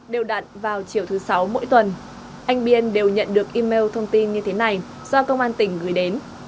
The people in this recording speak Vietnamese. đều đặn vào chiều thứ sáu mỗi tuần anh biên đều nhận được email thông tin như thế này do công an tỉnh gửi đến